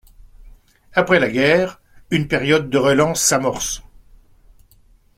Après la guerre, une période de relance s’amorce.